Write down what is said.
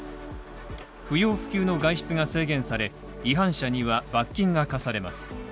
不要不急の外出が制限され、違反者には罰金が科されます。